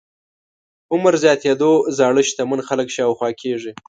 عمر زياتېدو زاړه شتمن خلک شاوخوا کېږي.